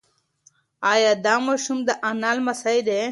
ایا دا ماشوم د انا لمسی دی؟